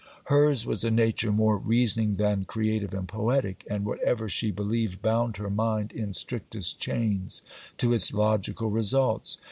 Hers was a nature more reasoning than creative and poetic; and whatever she believed bound her mind in strictest chains to its logical results.